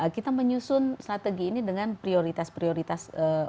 kita menyusun strategi ini dengan prioritas prioritas